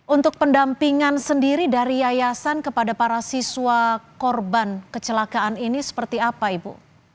untuk pendampingan sendiri dari yayasan kepada para siswa korban kecelakaan ini seperti apa ibu